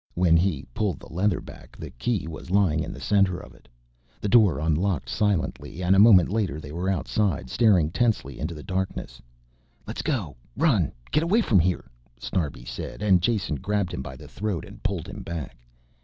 When he pulled the leather back in the key was lying in the center of it. The door unlocked silently and a moment later they were outside, staring tensely into the darkness. "Let's go! Run, get away from here," Snarbi said and Jason grabbed him by the throat and pulled him back.